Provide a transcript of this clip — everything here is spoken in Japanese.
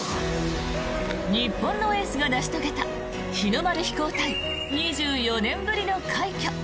日本のエースが成し遂げた日の丸飛行隊２４年ぶりの快挙。